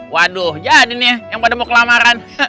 waduh jadi nih yang pada mau kelamaran